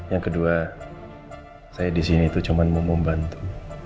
yang kedua saya di sini itu cuma mau membantu